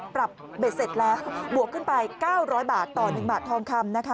เบ็ดเสร็จแล้วบวกขึ้นไป๙๐๐บาทต่อ๑บาททองคำนะคะ